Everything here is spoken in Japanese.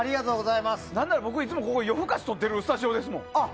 何なら、僕いつも「夜更かし」撮ってるスタジオですもん。